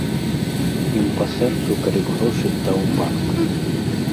Ім па сэрцу, калі б грошы здаў у банк.